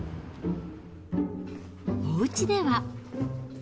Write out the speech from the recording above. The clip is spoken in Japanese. おうちでは。